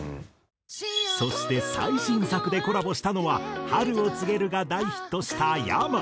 そして最新作でコラボしたのは『春を告げる』が大ヒットしたｙａｍａ。